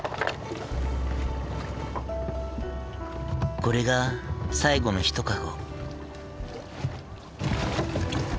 これが最後のひとかご。